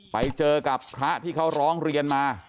ไปเจอกับพระที่เขาร้องเรียนมา